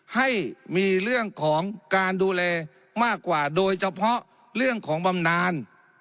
ให้มีเรื่องของการดูแลมากกว่าโดยเฉพาะเรื่องของบำนาน